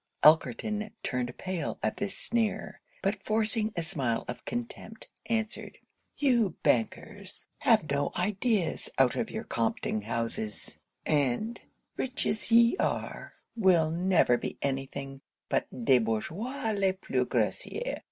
Elkerton turned pale at this sneer; but forcing a smile of contempt, answered, 'You bankers have no ideas out of your compting houses; and rich as ye are, will never be any thing but des bourgeois les plus grossieres!